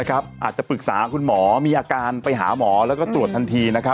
อาจจะปรึกษาคุณหมอมีอาการไปหาหมอแล้วก็ตรวจทันที